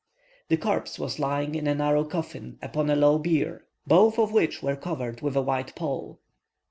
The corpse was lying in a narrow coffin, upon a low bier, both of which were covered with a white pall.